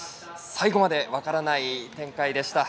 最後まで分からない展開でした。